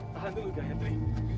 tahan dulu gayatri